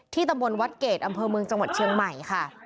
ตำบลวัดเกรดอำเภอเมืองจังหวัดเชียงใหม่ค่ะ